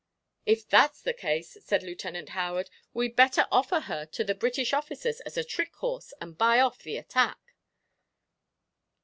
"If that's the case," said Lieutenant Howard, "we'd better offer her to the British officers as a trick horse and buy off the attack."